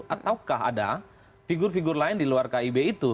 ataukah ada figur figur lain di luar kib itu